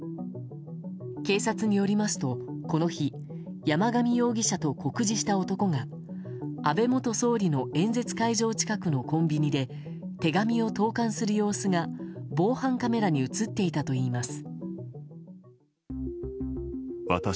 警察によりますと、この日山上容疑者と酷似した男が安倍元総理の演説会場近くのコンビニで手紙を投函する様子が防犯カメラに映っていたといいます。